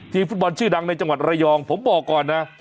ฟุตบอลชื่อดังในจังหวัดระยองผมบอกก่อนนะ